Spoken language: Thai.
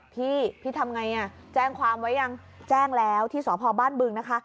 พี่พี่ทำไงแจ้งความไว้ยังแจ้งแล้วที่สพบ้านบึงนะคะ